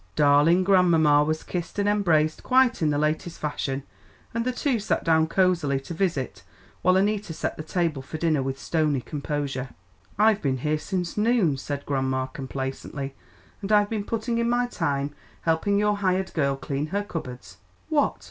Darling grandmamma was kissed and embraced quite in the latest fashion, and the two sat down cosily to visit while Annita set the table for dinner with stony composure. "I've been here since noon," said grandma, complacently, "and I've been putting in my time helping your hired girl clean her cupboards." "What!